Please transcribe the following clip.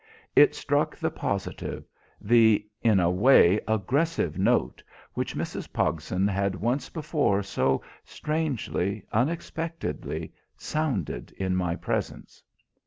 It struck the positive, the, in a way, aggressive note, which Mrs. Pogson had once before so strangely, unexpectedly, sounded in my presence.